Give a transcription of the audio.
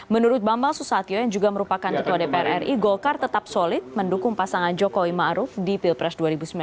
menurut bambang susatyo yang juga merupakan ketua dpr ri golkar tetap solid mendukung pasangan jokowi ⁇ maruf ⁇ di pilpres dua ribu sembilan belas